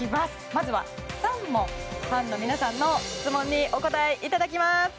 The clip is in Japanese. まずは、３問ファンの皆さんの質問にお答えいただきます。